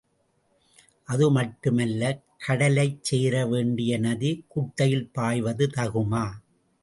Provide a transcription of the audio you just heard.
அது மட்டும் அல்ல கடலைச்சேர வேண்டிய நதி குட்டையில் பாய்வது தகுமா?